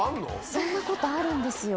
そんなことあるんですよ。